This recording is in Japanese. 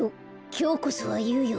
きょうこそはいうよ。